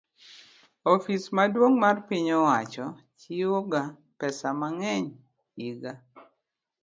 Ofis maduong' mar piny owacho chiwoga pesa mang'eny higa